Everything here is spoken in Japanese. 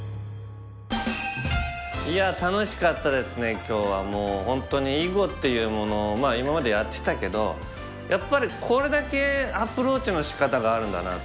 今日はもう本当に囲碁っていうもの今までやってたけどやっぱりこれだけアプローチのしかたがあるんだなと。